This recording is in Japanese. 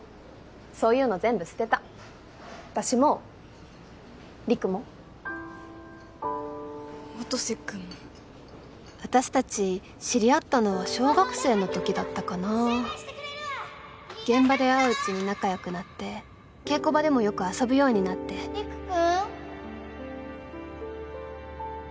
そういうの全部捨てた私も陸も音瀬君も私達知り合ったのは小学生のときだったかな現場で会ううちに仲よくなって稽古場でもよく遊ぶようになって陸君？